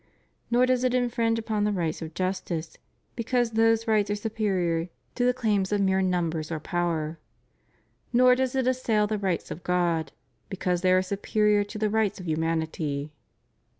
Nor does it infringe upon the rights of justice, because those rights are superior to the claims of mere 668 REVIEW OF HIS PONTIFICATE. numbers or power. Nor does it assail the rights of God because they are superior to the rights of humanity.